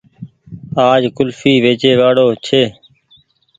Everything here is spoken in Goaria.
آج ڪولڦي ويچي واڙو ڇي